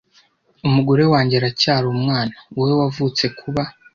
umugore wanjye aracyari umwana wowe wavutse kuba